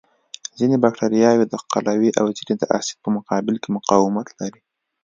ځینې بکټریاوې د قلوي او ځینې د اسید په مقابل کې مقاومت لري.